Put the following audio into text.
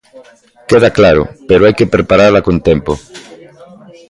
Queda claro, pero hai que preparala con tempo.